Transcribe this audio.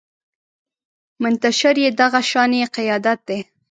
منتشر يې دغه شانې قیادت دی